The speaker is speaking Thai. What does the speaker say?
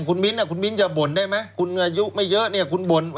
คุณบิ๊นคุณบิ๊นอย่าบ่นได้ไหมคุณอายุไม่เยอะคุณบ่น